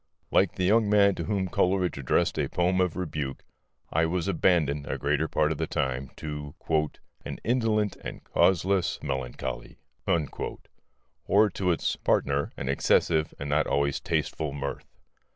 Like the young man to whom Coleridge addressed a poem of rebuke, I was abandoned, a greater part of the time, to "an Indolent and Causeless Melancholy"; or to its partner, an excessive and not always tasteful mirth.